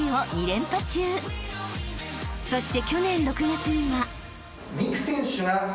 ［そして］